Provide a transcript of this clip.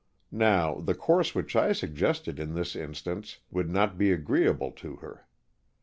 Now, the course which I suggested in this instance would not be agreeable to her.